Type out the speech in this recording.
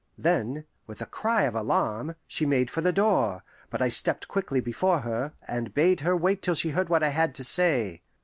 Then, with a cry of alarm, she made for the door; but I stepped quickly before her, and bade her wait till she heard what I had to say.